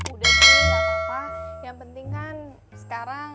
udah sih nggak apa apa yang penting kan sekarang